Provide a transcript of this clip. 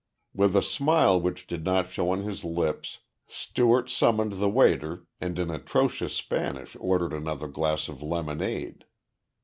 With a smile which did not show on his lips, Stewart summoned the waiter and in atrocious Spanish ordered another glass of lemonade.